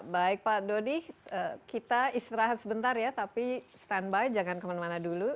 baik pak dodi kita istirahat sebentar ya tapi standby jangan kemana mana dulu